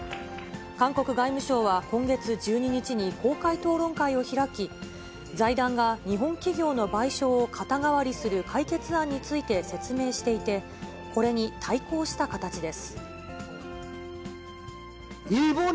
韓国外務省は今月１２日に公開討論会を開き、財団が日本企業の賠償を肩代わりする解決案について説明していて、これに対抗した形です。